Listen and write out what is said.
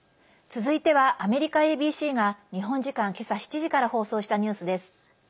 続いてはアメリカＡＢＣが日本時間けさ７時から放送したニュースです。